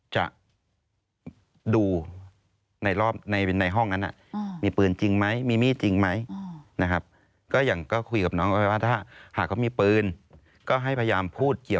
คือทางโทรศัพท์ที่เราฟังอยู่เนี่ย